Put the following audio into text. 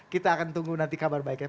kita akan tunggu nanti kabar baiknya